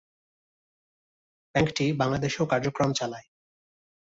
ব্যাংকটি বাংলাদেশেও কার্যক্রম চালায়।